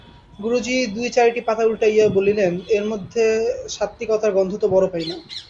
গুরুজি দুই-চারিটি পাতা উলটাইয়া বলিলেন, এর মধ্যে সাত্ত্বিকতার গন্ধ তো বড়ো পাই না।